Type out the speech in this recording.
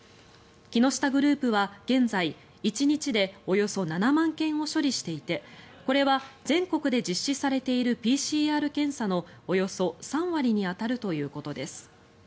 木下グループは現在、１日でおよそ７万件を処理していてこれは全国で実施されているＰＣＲ検査のおよそ３割に当たるということです。